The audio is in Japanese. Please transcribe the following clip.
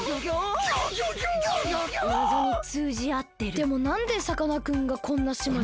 でもなんでさかなクンがこんな島に？